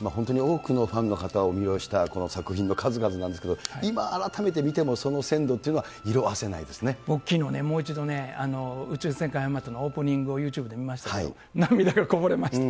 本当に多くのファンの方を魅了したこの作品の数々なんですけれども、今改めて見ても、その鮮もうきのうね、もう一度ね、宇宙戦艦ヤマト、オープニングをユーチューブで見ましたけど、涙がこぼれました。